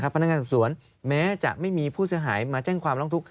พนักงานสอบสวนแม้จะไม่มีผู้เสียหายมาแจ้งความร้องทุกข